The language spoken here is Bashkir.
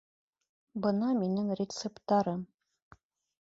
Бына минең рецепттарым